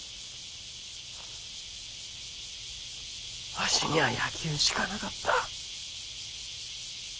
わしにゃあ野球しかなかった。